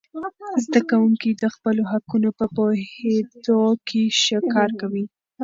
زده کوونکي د خپلو حقونو په پوهیدو کې ښه کار کوي.